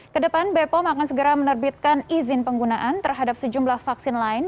kedepan bepom akan segera menerbitkan izin penggunaan terhadap sejumlah vaksin lain